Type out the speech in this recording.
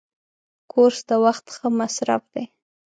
کورس د وخت ښه مصرف دی.